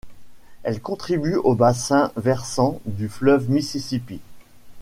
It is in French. Elle contribue au bassin versant du fleuve Mississippi.